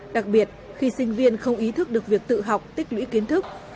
đặc biệt khi sinh viên không ý thức được việc tự học tích lũy kiến thức